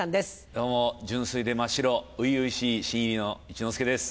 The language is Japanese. どうも純粋で真っ白初々しい新入りの一之輔です。